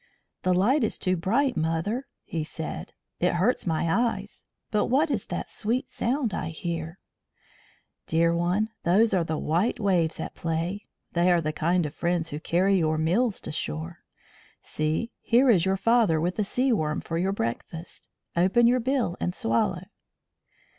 "The light is too bright, mother," he said. "It hurts my eyes. But what is that sweet sound I hear?" "Dear one, those are the white waves at play. They are the kind friends who carry your meals to shore. See here is your father with a sea worm for your breakfast. Open your bill and swallow."